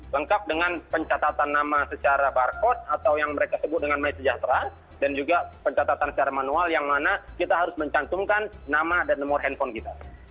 lengkap dengan pencatatan nama secara barcode atau yang mereka sebut dengan maya sejahtera dan juga pencatatan secara manual yang mana kita harus mencantumkan nama dan nomor handphone kita